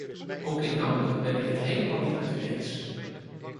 Ook inhoudelijk ben ik het helemaal niet met u eens.